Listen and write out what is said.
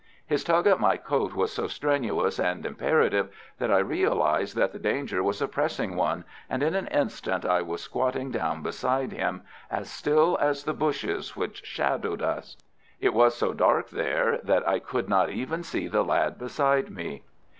His tug at my coat was so strenuous and imperative that I realized that the danger was a pressing one, and in an instant I was squatting down beside him as still as the bushes which shadowed us. It was so dark there that I could not even see the lad beside me.